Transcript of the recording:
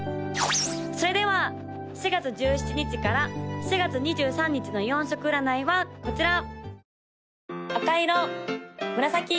・それでは４月１７日から４月２３日の４色占いはこちら！